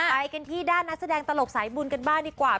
ไปกันที่ด้านนักแสดงตลกสายบุญกันบ้างดีกว่า